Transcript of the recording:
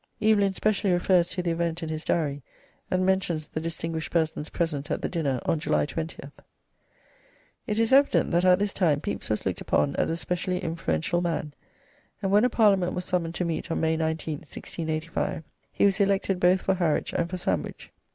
Evelyn specially refers to the event in his Diary, and mentions the distinguished persons present at the dinner on July 20th. It is evident that at this time Pepys was looked upon as a specially influential man, and when a parliament was summoned to meet on May 19th, 1685, he was elected both for Harwich and for Sandwich.